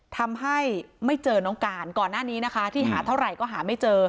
ทำให้ไม่เจอน้องการก่อนหน้านี้นะคะที่หาเท่าไหร่ก็หาไม่เจอ